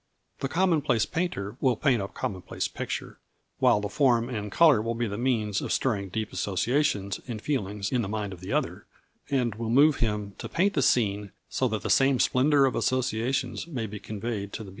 The commonplace painter will paint a commonplace picture, while the form and colour will be the means of stirring deep associations and feelings in the mind of the other, and will move him to paint the scene so that the same splendour of associations may be conveyed to the beholder.